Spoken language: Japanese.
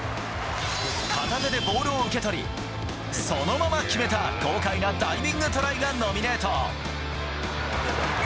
片手でボールを受け取り、そのまま決めた豪快なダイビングトライがノミネート。